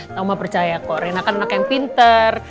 nama percaya kok rena kan anak yang pinter